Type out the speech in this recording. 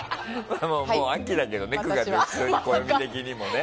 もう秋だけどね。